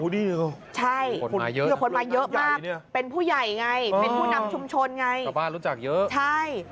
ที่คนมาเยอะมากเป็นผู้ใหญ่ไงเป็นผู้นำชุมชนไง